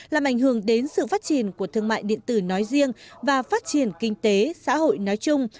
làm ảnh hưởng đến sự phát triển của thương mại điện tử nói riêng và phát triển kinh tế xã hội nói chung